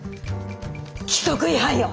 規則違反よ！